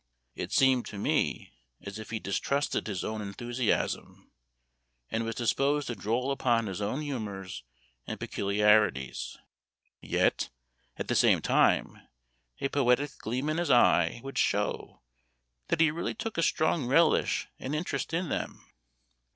It seemed to me as if he distrusted his own enthusiasm, and was disposed to droll upon his own humors and peculiarities, yet, at the same time, a poetic gleam in his eye would show that he really took a strong relish and interest in them.